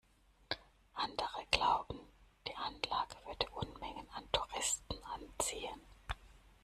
Andere glauben, die Anlage würde Unmengen an Touristen anziehen.